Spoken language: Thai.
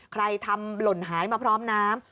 ใครทำหล่นหายมาพร้อมน้ำ